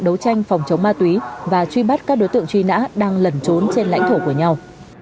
đấu tranh phòng chống ma túy và truy bắt các đối tượng truy nã đang lẩn trốn trên lãnh thổ của nhau